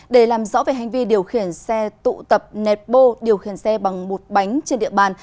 để làm rõ về hành vi điều khiển xe tụ tập netpo điều khiển xe bằng bột bánh trên địa bàn